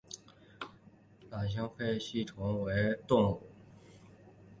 卵形菲策吸虫为腹袋科菲策属的动物。